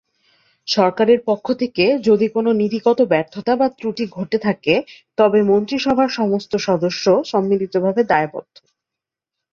সরকারের পক্ষ থেকে যদি কোনও নীতিগত ব্যর্থতা বা ত্রুটি ঘটে থাকে তবে মন্ত্রিসভার সমস্ত সদস্য সম্মিলিতভাবে দায়বদ্ধ।